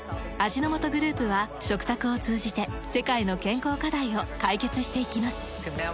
味の素グループは食卓を通じて世界の健康課題を解決していきます。